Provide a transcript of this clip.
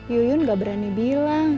yuyun gak berani bilang